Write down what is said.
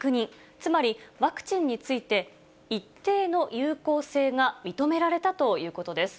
つまり、ワクチンについて、一定の有効性が認められたということです。